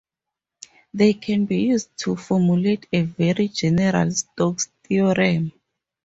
They can be used to formulate a very general Stokes' theorem.